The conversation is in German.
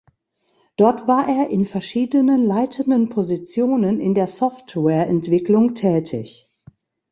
Dort war er in verschieden leitenden Positionen in der Softwareentwicklung tätig.